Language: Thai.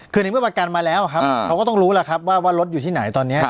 คือในเมื่อประกันมาแล้วครับเขาก็ต้องรู้แล้วครับว่ารถอยู่ที่ไหนตอนนี้